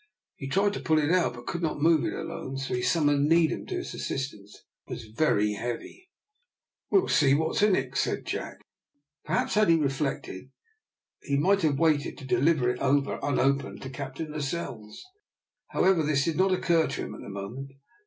He tried to pull it out, but could not move it alone, so he summoned Needham to his assistance. It was very heavy. "We'll see what is in it," said Jack. Perhaps had he reflected, he might have waited to deliver it over unopened to Captain Lascelles. However, this did not occur to him at the moment.